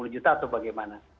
empat puluh juta atau bagaimana